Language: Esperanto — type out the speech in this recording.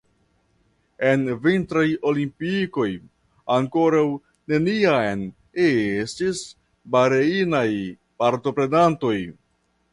En vintraj olimpikoj ankoraŭ neniam estis Barejnaj partoprenantoj.